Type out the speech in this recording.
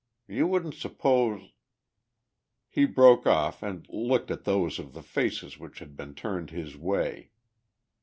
You wouldn't suppose...." He broke off and looked at those of the faces which had been turned his way.